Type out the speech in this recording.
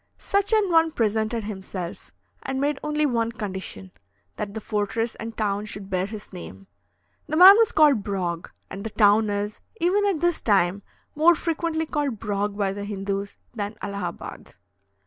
Such an one presented himself, and made only one condition, that the fortress and town should bear his name. The man was called Brog, and the town is, even at this time, more frequently called Brog by the Hindoos than Allahabad."